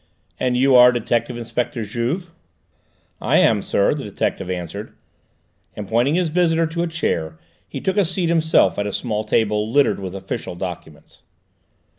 "And you are Detective Inspector Juve?" "I am, sir," the detective answered, and pointing his visitor to a chair he took a seat himself at a small table littered with official documents.